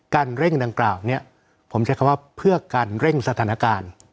เร่งดังกล่าวเนี่ยผมใช้คำว่าเพื่อการเร่งสถานการณ์